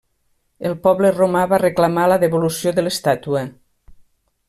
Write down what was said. El poble romà va reclamar la devolució de l'estàtua.